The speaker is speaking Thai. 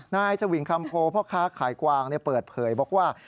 นายสวิงคำโพพ่อค้าขายกวางเปิดเผยบอกว่า